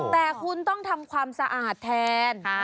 แต่คุณต้องทำความสะอาดแทน